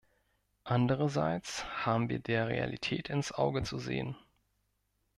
Andererseits haben wir der Realität ins Auge zu sehen.